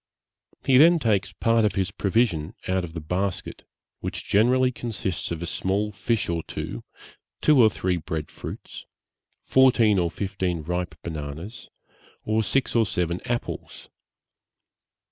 He then takes part of his provision out of the basket, which generally consists of a small fish or two, two or three bread fruits, fourteen or fifteen ripe bananas, or six or seven apples.